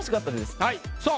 さあ